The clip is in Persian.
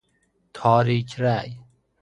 تاریک رأی